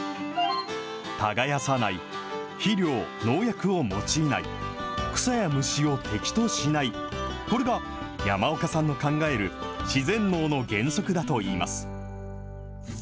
耕さない、肥料、農薬を用いない、草や虫を敵としない、これが山岡さんの考える自然農の原則だといいます。